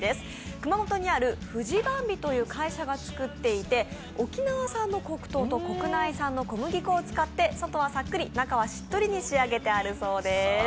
熊本にあるフジバンビという会社が作っていて、沖縄産の黒糖と国内産の小麦粉を使って外はさっくり、中はしっとりに仕上げてあるそうです。